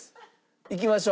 いきましょう。